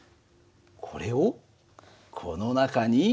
これをこの中に。